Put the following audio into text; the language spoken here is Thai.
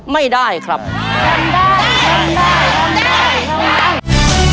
ให้มันจงกดแสดง